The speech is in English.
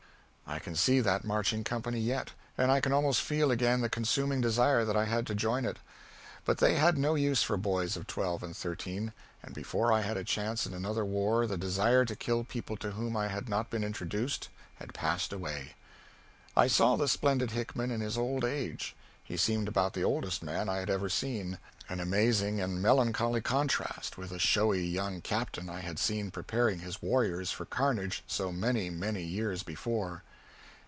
I can see that marching company yet, and I can almost feel again the consuming desire that I had to join it. But they had no use for boys of twelve and thirteen, and before I had a chance in another war the desire to kill people to whom I had not been introduced had passed away. I saw the splendid Hickman in his old age. He seemed about the oldest man I had ever seen an amazing and melancholy contrast with the showy young captain I had seen preparing his warriors for carnage so many, many years before.